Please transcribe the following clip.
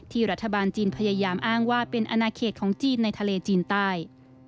รัฐบาลจีนพยายามอ้างว่าเป็นอนาเขตของจีนในทะเลจีนใต้